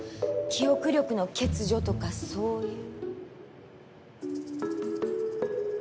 記憶力の欠如とかそういう。